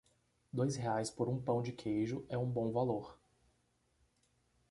Dois reais por um pão de queijo é um bom valor